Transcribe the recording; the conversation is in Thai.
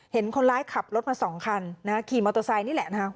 เห็นคนร้ายขับรถมา๒คันนะฮะขี่มอเตอร์ไซค์นี่แหละนะฮะ